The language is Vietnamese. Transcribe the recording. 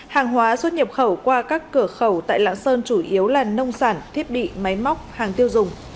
hàng hóa xuất nhập khẩu qua các cửa khẩu tại lạng sơn chủ yếu là nông sản thiết bị máy móc hàng tiêu dùng